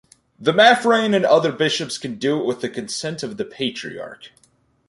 The Maphrian and other bishops can do it with the consent of the Patriarch.